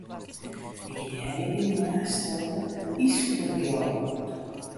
Ik hearde yn 'e moarnsstilte in yslike gjalp.